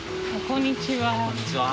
こんにちは。